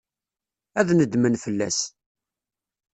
Ad nedmen fell-as.